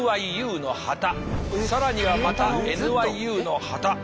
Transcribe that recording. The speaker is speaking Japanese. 更にはまたＮＹＵの旗。